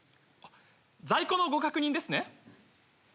在庫のご確認ですね。